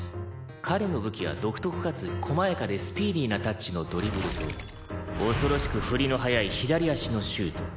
彼の武器は独特かつ細やかでスピーディーなタッチのドリブルと恐ろしく振りの速い左足のシュート。